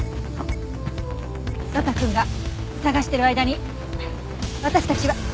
呂太くんが捜している間に私たちは。